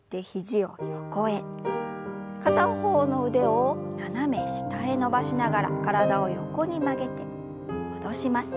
片方の腕を斜め下へ伸ばしながら体を横に曲げて戻します。